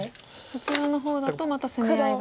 こちらの方だとまた攻め合いが。